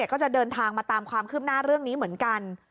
ก็จะเดินทางมาตามความคืบหน้าเรื่องนี้เหมือนกัน